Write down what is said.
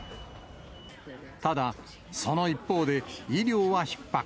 ただ、その一方で、医療はひっ迫。